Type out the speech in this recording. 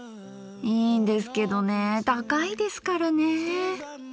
いいんですけどねぇ高いですからねぇ。